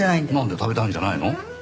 食べたいんじゃないの？